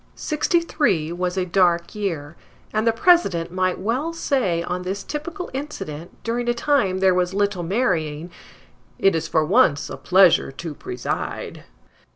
Sixty three was a dark year, and the President might well say on this typical incident, during a time there was little marrying, it is for once a pleasure to preside.